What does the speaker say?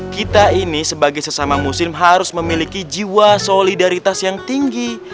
kita ini sebagai sesama muslim harus memiliki jiwa solidaritas yang tinggi